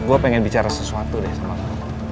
gua pengen bicara sesuatu deh sama kamu